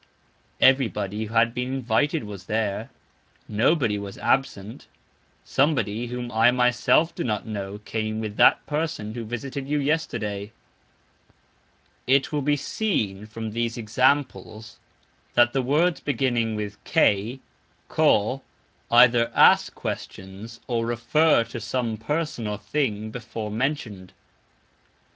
"Everybody who" had been invited was there, "nobody" was absent. "Somebody, whom" I myself do not know, came with "that person who" visited you yesterday. It will be seen from these examples that the words beginning with "K" either "ask questions" or "refer" to some person or thing before mentioned.